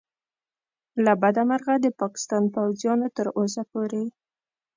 له بده مرغه د پاکستان پوځیانو تر اوسه پورې